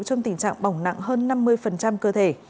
trong tình trạng bỏng nặng hơn năm mươi cơ thể